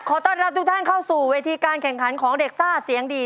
ต้อนรับทุกท่านเข้าสู่เวทีการแข่งขันของเด็กซ่าเสียงดี